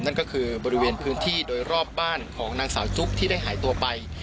นั่นก็คือบริเวณพื้นที่โดยรอบบ้านของนางสาวจุ๊บที่ได้หายตัวไป